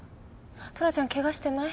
トラちゃん怪我してない？